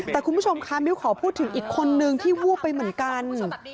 แต่คุณผู้ชมค่ะมิ้วขอพูดถึงอีกคนนึงที่วูบไปเหมือนกัน